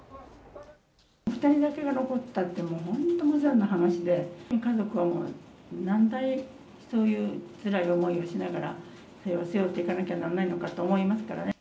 ２人だけが残ったって、もう本当、無残な話で、家族は何代、そういうつらい思いをしながら、それを背負っていかなきゃならないのかと思いますからね。